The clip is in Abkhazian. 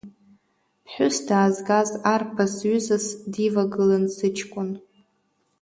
Ԥҳәыс даазгаз арԥыс ҩызас дивагылан сыҷкәын.